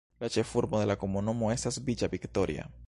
La ĉefurbo de la komunumo estas Villa Victoria.